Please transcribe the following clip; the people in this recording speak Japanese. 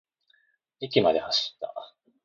駅まで走った。